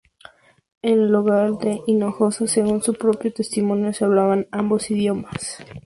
En el hogar de Hinojosa, según su propio testimonio, se hablaban ambos idiomas.